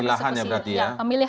pemilahan ya berarti ya